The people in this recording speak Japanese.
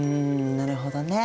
なるほどね。